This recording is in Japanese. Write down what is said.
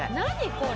これ。